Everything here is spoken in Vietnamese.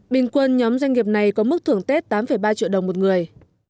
bình quân nhóm doanh nghiệp này có mức thưởng tết tám ba triệu đồng một người